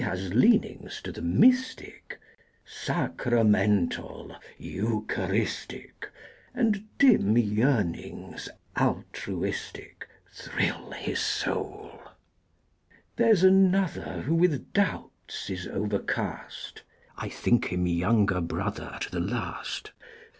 He has leanings to the mystic, Sacramental, eucharistic; And dim yearnings altruistic Thrill his soul. There's another who with doubts Is overcast; I think him younger brother To the last.